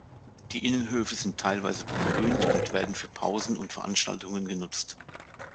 Die Innenhöfe sind teilweise begrünt und werden für Pausen und Veranstaltungen genutzt.